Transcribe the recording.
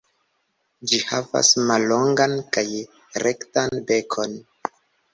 Ĝi havas mallongan kaj rektan bekon.